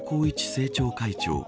政調会長